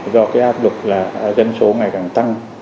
do áp lục dân số ngày càng tăng